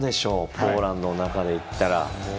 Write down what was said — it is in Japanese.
ポーランドの中で言ったら。